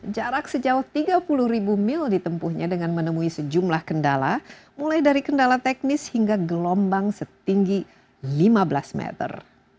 jarak sejauh tiga puluh ribu mil ditempuhnya dengan menemui sejumlah kendala mulai dari kendala teknis hingga gelombang setinggi lima belas meter